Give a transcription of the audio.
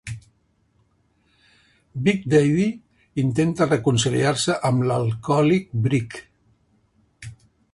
Big Daddy intenta reconciliar-se amb l'alcohòlic Brick.